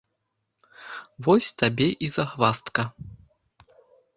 Вось табе і загваздка!